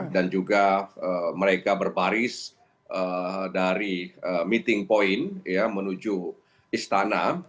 dan juga mereka berbaris dari meeting point menuju istana